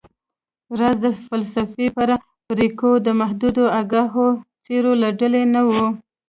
راز د فلسفې پر باریکیو د محدودو آګاهو څیرو له ډلې نه و